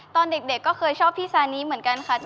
ตอนเด็กก็เคยชอบพี่ซานิเหมือนกันค่ะ